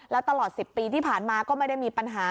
แล้วตลอด๑๐ปีที่ผ่านมาก็ไม่ได้มีปัญหา